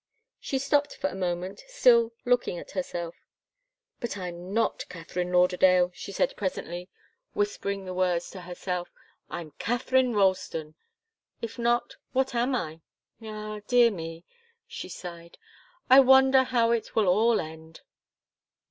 She stopped for a moment, still looking at herself. "But I'm not Katharine Lauderdale!" she said presently, whispering the words to herself. "I'm Katharine Ralston if not, what am I? Ah, dear me!" she sighed. "I wonder how it will all end!"